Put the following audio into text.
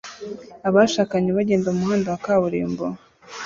Abashakanye bagenda mu muhanda wa kaburimbo